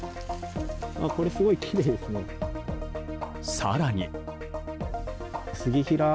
更に。